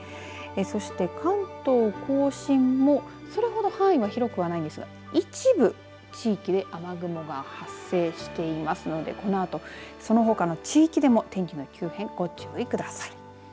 そして、関東甲信もそれほど範囲は広くはないんですが一部地域で雨雲が発生していますのでこのあと、そのほかの地域でも天気の急変ご注意ください。